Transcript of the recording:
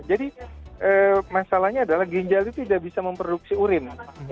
jadi masalahnya adalah gejala itu tidak bisa memproduksi urin